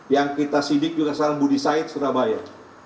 yang kita sidik juga sekarang budi said surabaya